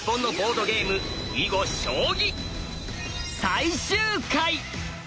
最終回！